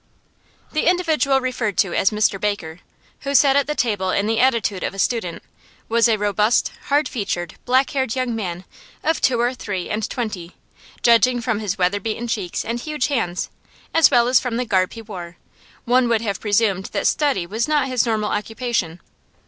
The individual referred to as Mr Baker, who sat at the table in the attitude of a student, was a robust, hard featured, black haired young man of two or three and twenty; judging from his weather beaten cheeks and huge hands, as well as from the garb he wore, one would have presumed that study was not his normal occupation.